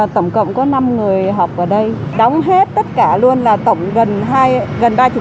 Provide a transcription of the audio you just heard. tổng cộng có năm người học ở đây đóng hết tất cả luôn là tổng gần ba mươi